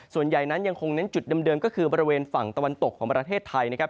ส่วนใหญ่นั้นยังคงเน้นจุดเดิมก็คือบริเวณฝั่งตะวันตกของประเทศไทยนะครับ